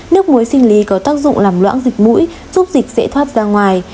nước muối sinh lý có tác dụng làm loãng dịch mũi giúp dịch dễ thoát ra ngoài